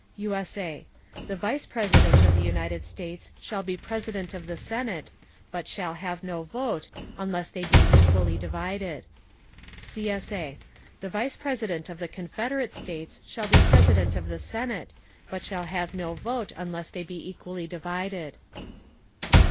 [USA] The Vice President of the United States shall be President of the Senate, but shall have no Vote, unless they be equally divided. [CSA] The Vice President of the Confederate States shall be President of the Senate, but shall have no vote unless they be equally divided.